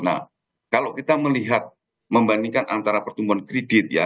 nah kalau kita melihat membandingkan antara pertumbuhan kredit ya